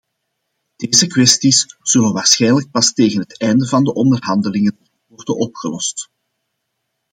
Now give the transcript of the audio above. Deze kwesties zullen waarschijnlijk pas tegen het einde van de onderhandelingen worden opgelost.